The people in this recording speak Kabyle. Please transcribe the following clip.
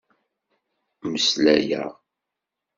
Mmeslayeɣ.